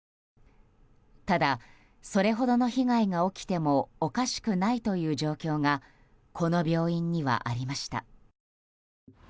ただ、それほどの被害が起きてもおかしくないという状況がこの病院にはありました。